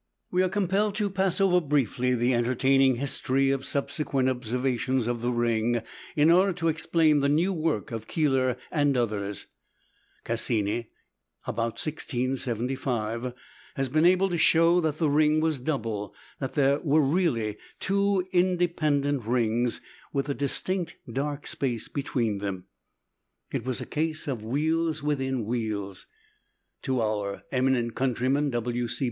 We are compelled to pass over briefly the entertaining history of subsequent observations of the ring, in order to explain the new work of Keeler and others. Cassini, about 1675, been able to show that the ring was double; that there are really two independent rings, with a distinct dark space between them. It was a case of wheels within wheels. To our own eminent countryman, W. C.